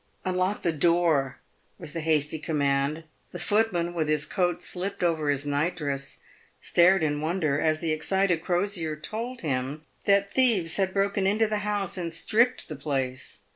" Unlock the door," was the hasty command. The footman, with his coat slipped over his night dress, stared in wonder, as the excited Crosier told him that thieves had broken into the house and stripped the place.